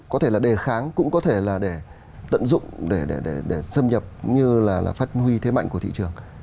có thể là đề kháng cũng có thể là để tận dụng để xâm nhập cũng như là phát huy thế mạnh của thị trường